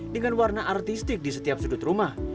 dengan warna artistik di setiap sudut rumah